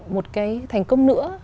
một cái thành công nữa